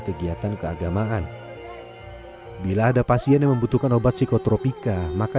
kegiatan keagamaan bila ada pasien yang membutuhkan obat psikotropika maka